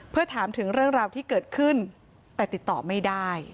เพื่อถามถึงเรื่องราวที่เกิดขึ้นแต่ติดต่อไม่ได้